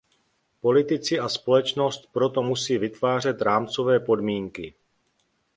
Politici a společnost pro to musí vytvářet rámcové podmínky.